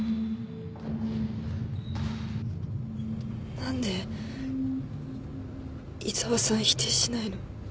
何で井沢さん否定しないの？